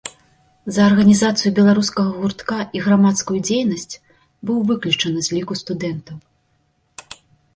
За арганізацыю беларускага гуртка і грамадскую дзейнасць быў выключаны з ліку студэнтаў.